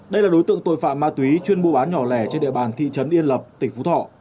đây là đối tượng tội phạm ma túy chuyên mua bán nhỏ lẻ trên địa bàn thị trấn yên lập tỉnh phú thọ